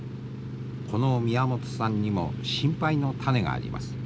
この宮本さんにも心配の種があります。